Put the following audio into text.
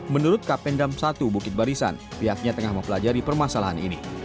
menurut kapendam satu bukit barisan pihaknya tengah mempelajari permasalahan ini